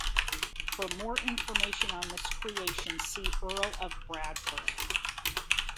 For more information on this creation, see Earl of Bradford.